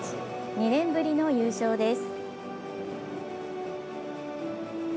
２年ぶりの優勝です。